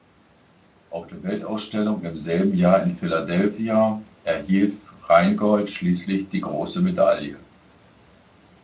Auf der Weltausstellung im selben Jahr in Philadelphia erhielt "Rheingold" schließlich die "Große Medaille".